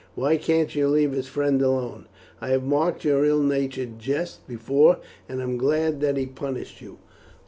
Why can't you leave his friend alone? I have marked your ill natured jests before, and am glad that he punished you."